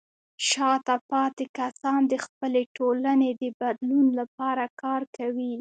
شاته پاتې کسان د خپلې ټولنې د بدلون لپاره کار کوي.